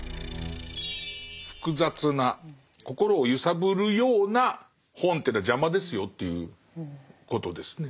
複雑な心を揺さぶるような本ってのは邪魔ですよっていうことですね。